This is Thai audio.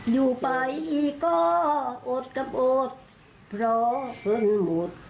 อยู่ไปก็อดกับอดเพราะเงินหมด